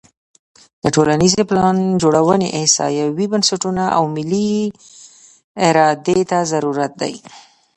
د ټولنیزې پلانجوړونې احصایوي بنسټونو او ملي ارادې ته ضرورت دی.